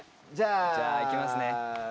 じゃあ行きますね。